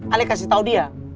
ale kasih tau dia